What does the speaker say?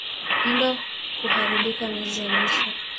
Mimba kuharibika miezi ya mwisho